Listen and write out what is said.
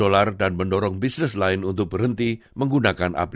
karena makanan tidak memiliki banyak keuntungan lagi